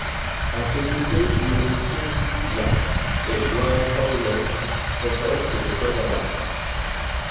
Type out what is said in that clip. À ses côtés joueront Jim Kubiak et Ron Powlus au poste de quarterback.